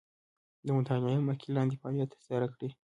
د مطالعې مخکې لاندې فعالیت تر سره کړئ.